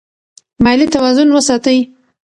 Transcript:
مالي توازن وساتئ.